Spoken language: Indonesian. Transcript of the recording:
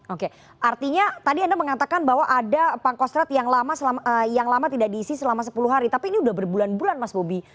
oke artinya tadi anda mengatakan bahwa ada pangkostrat yang lama tidak diisi selama sepuluh hari tapi ini sudah berbulan bulan mas bobi